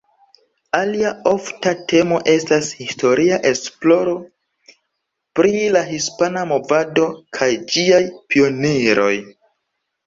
Alia ofta temo estas historia esploro pri la hispana movado kaj ĝiaj pioniroj.